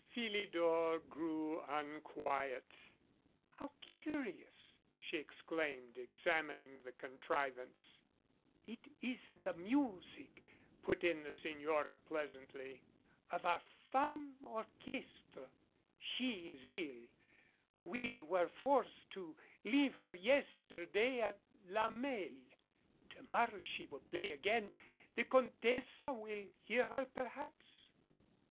Philidor grew unquiet. "How curious!" she exclaimed, examining the con trivance. 208 MOUNTEBANKS "It is the music," put in the Signora pleasantly, "of our Femme Orcliestre. She is ill. We were forced to leave her yesterday at La Mesle. To morrow she will play again. The Contessa will hear her, perhaps?"